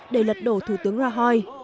để lật đổ thủ tướng rajoy